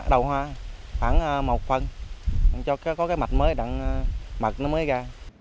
đầu hoa khoảng một phần cho có cái mạch mới đặn mật nó mới ra